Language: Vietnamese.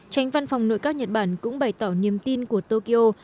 tránh văn phòng nội các nhật bản cũng bày tỏ niềm tin của tokyo